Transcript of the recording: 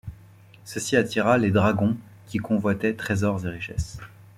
Ceci attira les dragons qui convoitaient trésors et richesses.